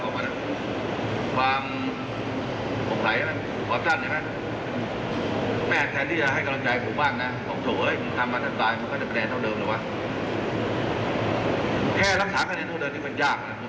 ผมขอบคุณทุกคุณครับให้ดี